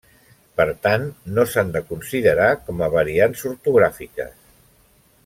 Per tant, no s’han de considerar com a variants ortogràfiques.